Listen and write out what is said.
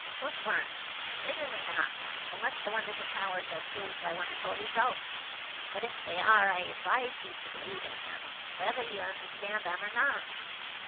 Bookworm. "Certainly not, unless the wonderful powers are proved by wonderful results; but if they are, I advise you to believe in them, whether you understand them or not."